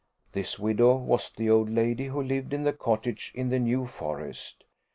This widow was the old lady who lived in the cottage in the New Forest.